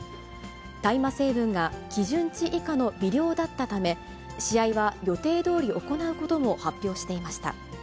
大麻成分が基準値以下の微量だったため、試合は予定どおり行うことも発表していました。